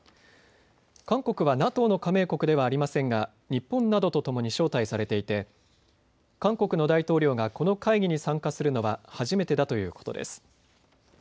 韓国はＮＡＴＯの加盟国ではありませんが日本などとともに招待されていて韓国の大統領がこの会議に参加するのは初めてだということです。